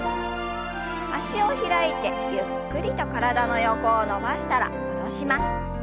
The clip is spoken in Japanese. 脚を開いてゆっくりと体の横を伸ばしたら戻します。